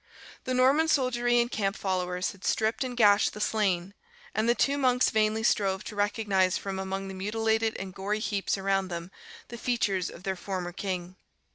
The Norman soldiery and camp followers had stripped and gashed the slain; and the two monks vainly strove to recognise from among the mutilated and gory heaps around them the features of their former king.